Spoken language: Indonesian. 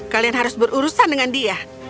kalian harus berurusan dengan dia